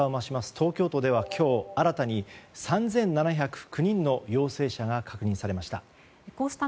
東京都では今日、新たに３７０９人の陽性者が確認されました。